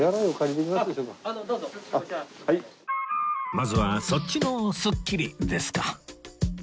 まずはそっちのスッキリですか？